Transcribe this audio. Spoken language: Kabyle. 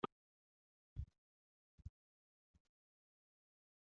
La ttḥulfuɣ ad d-iwet wenẓar.